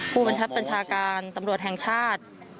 ผู้บัญชาการตำรวจแห่งชาติ